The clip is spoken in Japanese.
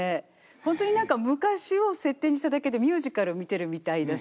ホントに何か昔を設定にしただけでミュージカルを見てるみたいだし。